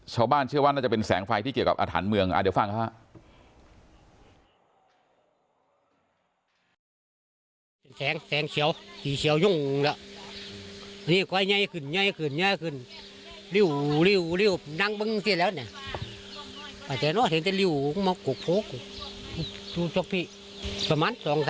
ชาวบ้านเชื่อว่าน่าจะเป็นแสงไฟที่เกี่ยวกับอาถรรพ์เมืองเดี๋ยวฟังฮะ